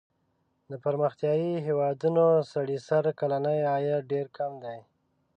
د پرمختیايي هېوادونو سړي سر کلنی عاید ډېر کم دی.